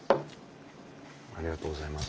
ありがとうございます。